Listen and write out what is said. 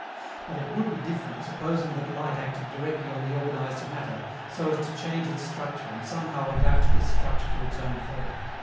But it would be different supposing that light acted directly on the organized matter so as to change its structure and somehow adapt this structure to its own form.